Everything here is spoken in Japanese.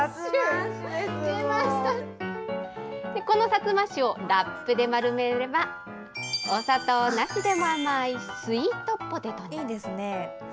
このサツマッシュをラップで丸めれば、お砂糖なしでも甘いスイートポテトに。